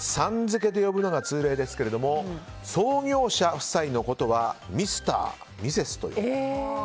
づけで呼ぶのが通例ですが創業者夫妻のことはミスター、ミセスと呼ぶ。